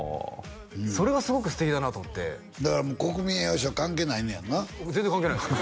それがすごく素敵だなと思ってだから国民栄誉賞関係ないねやんな全然関係ないです